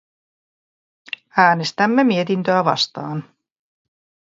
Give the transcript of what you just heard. Äänestämme mietintöä vastaan.